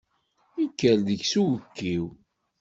Ikker deg-s uwekkiw.